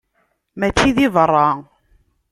Mačči di berra.